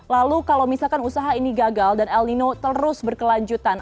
lalu kalau misalkan usaha ini gagal dan el nino terus berkelanjutan